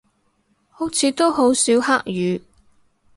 好似都好少黑雨